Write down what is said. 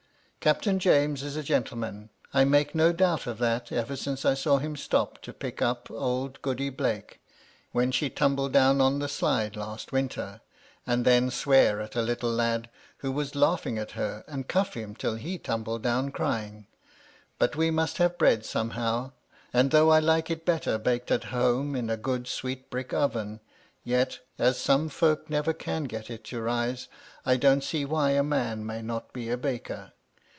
Captain James is a gentleman ; I make no doubt of that ever since I saw him stop to pick up old Goody Blake (when she tumbled down on the slide last winter) and then swear at a little lad who was laughing at her, and cuflF him till he tumbled down crying ; but we must have bread somehow, and though I like it better baked at home in a good sweet brick oven, yet, as some folks never can get it to rise, I don't see why a man may not be a baker.